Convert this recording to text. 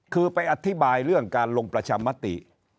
คือไปอธิบายเรื่องการลงประชามติ